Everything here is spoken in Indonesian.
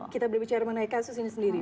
kita berbicara mengenai kasus ini sendiri